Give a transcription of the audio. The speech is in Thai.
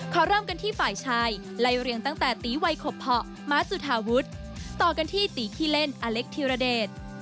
ขอเริ่มกันที่ฝ่ายชายไล่เรียงตั้งแต่ตีวัยขบเพาะม้าจุธาวุฒิต่อกันที่ตีขี้เล่นอเล็กธิรเดช